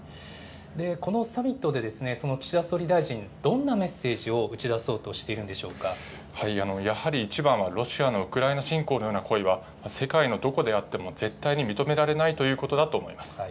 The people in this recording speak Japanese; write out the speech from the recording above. このサミットでその岸田総理大臣、どんなメッセージを打ち出やはり一番はロシアのウクライナ侵攻のような行為は世界のどこであっても絶対に認められないということだと思います。